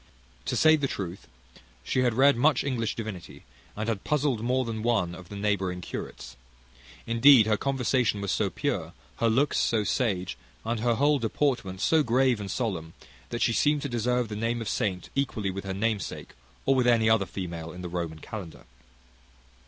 To say the truth, she had read much English divinity, and had puzzled more than one of the neighbouring curates. Indeed, her conversation was so pure, her looks so sage, and her whole deportment so grave and solemn, that she seemed to deserve the name of saint equally with her namesake, or with any other female in the Roman kalendar.